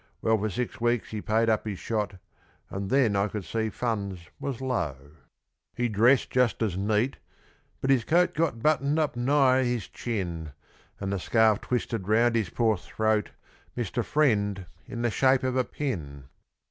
Well, for six weeks he paid up his shot, And then I could see funds was low. He dressed just as neat, but his coat Got buttoned up nigher his chin, And the scarf twisted round his poor throat Missed a friend in the shape of a pin.